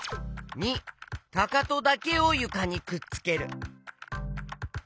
②かかとだけをゆかにくっつける。